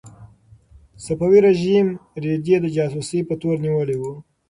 صفوي رژیم رېدی د جاسوسۍ په تور نیولی و.